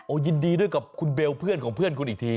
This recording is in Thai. ยินดีด้วยกับคุณเบลเพื่อนของเพื่อนคุณอีกที